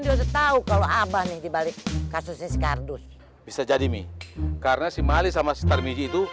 dia tahu kalau abang dibalik kasusnya skardus bisa jadi mi karena si mali sama starbiji itu